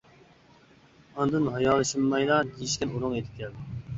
ئاندىن ھايالشىمايلا دېيىشكەن ئورۇنغا يىتىپ كەلدى.